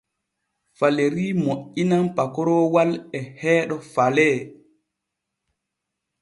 Faleri moƴƴinan pakoroowal e heeɗo Falee.